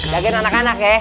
jagain anak anak ya